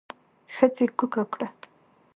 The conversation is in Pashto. ښځې کوکه کړه.